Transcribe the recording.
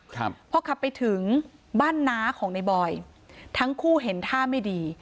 ครับพอขับไปถึงบ้านน้าของในบอยทั้งคู่เห็นท่าไม่ดี